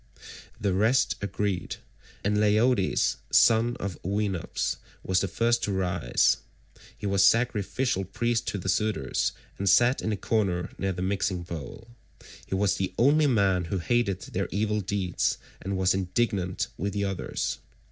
The rest agreed, and Leiodes son of Oenops was the first to rise. He was sacrificial priest to the suitors, and sat in the corner near the mixing bowl. 163 He was the only man who hated their evil deeds and was indignant with the others.